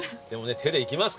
手でいきますよ。